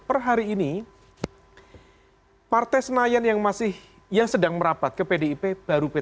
perhari ini partai senayan yang sedang merapat ke pdip baru p tiga